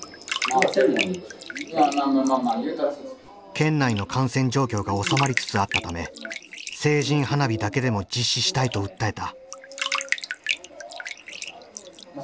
県内の感染状況が収まりつつあったため成人花火だけでも実施したいと訴えた。